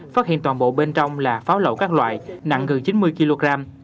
phát hiện toàn bộ bên trong là pháo lậu các loại nặng gần chín mươi kg